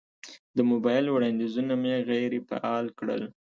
د موبایل وړاندیزونه مې غیر فعال کړل.